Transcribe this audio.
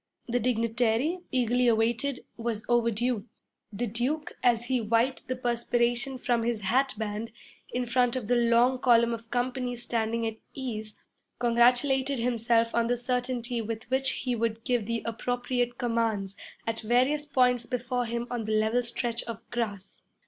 The dignitary, eagerly awaited, was overdue. The Duke, as he wiped the perspiration from his hat band in front of the long column of companies standing at ease, congratulated himself on the certainty with which he would give the appropriate commands at various points before him on the level stretch of grass.